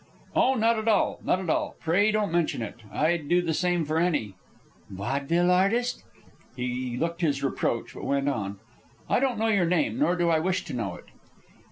"Oh, not at all, not at all. Pray don't mention it. I'd do the same for any " "Vaudeville artist!" He looked his reproach, but went on. "I don't know your name, nor do I wish to know it."